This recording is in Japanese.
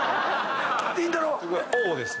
りんたろー。。